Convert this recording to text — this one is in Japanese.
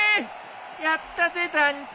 やったぜ団長！